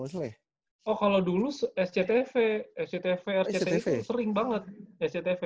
oh kalau dulu sctv sctv rcti sering banget sctv